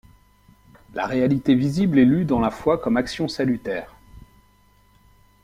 La réalité visible est lue dans la foi comme action salutaire.